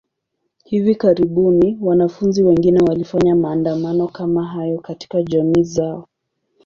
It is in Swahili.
Hivi karibuni, wanafunzi wengine walifanya maandamano kama hayo katika jamii zao.